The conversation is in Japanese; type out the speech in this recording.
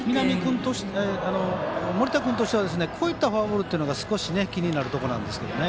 盛田君としてはこういったフォアボールが少し気になるところなんです。